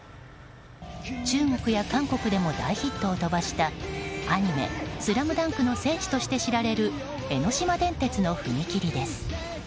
中国や韓国でも大ヒットを飛ばしたアニメ「ＳＬＡＭＤＵＮＫ」の聖地としても知られる江ノ島電鉄の踏切です。